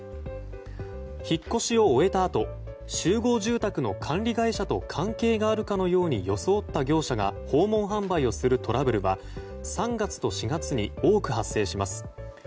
引っ越しを終えたあと集合住宅の管理会社と関係があるかのように装った業者が訪問販売をするトラブルは３月と４月に多く発生します。